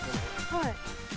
はい。